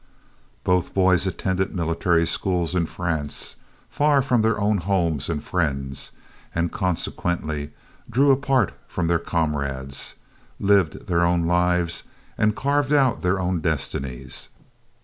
Both boys attended military schools in France, far away from their own home and friends, and consequently drew apart from their comrades, lived their own lives, and carved out their own destinies.